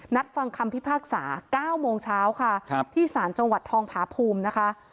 นัดฟังคำพิพากษาเก้าโมงเช้าค่ะครับที่สารจังหวัดทองพาภูมินะคะ